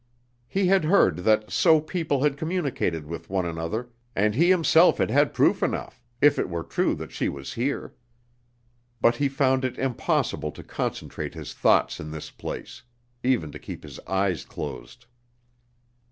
He had heard that so people had communicated with one another and he himself had had proof enough, if it were true that she was here. But he found it impossible to concentrate his thoughts in this place, even to keep his eyes closed.